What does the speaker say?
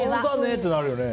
ってなるね。